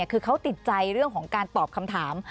คือเขาติดใจเรื่องของการตอบคำถาม